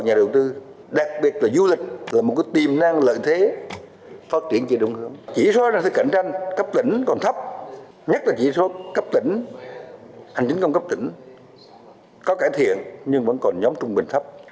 nhất là chỉ số cấp tỉnh hành chính công cấp tỉnh có cải thiện nhưng vẫn còn nhóm trung bình thấp